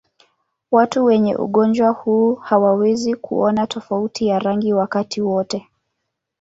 Watu wenye ugonjwa huu hawawezi kuona tofauti ya rangi wakati wote.